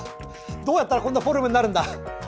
どうやったらこんなフォルムになるんだ。